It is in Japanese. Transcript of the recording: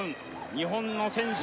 日本の選手